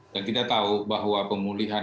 dan kita tahu bahwa pemulihan jualan